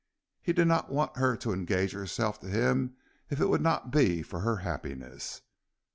He did not want her to engage herself to him if it would not be for her happiness.